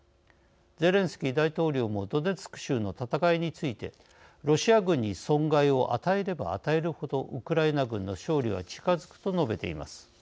ゼレンスキー大統領もドネツク州の戦いについて「ロシア軍に損害を与えれば与えるほどウクライナ軍の勝利は近づく」と述べています。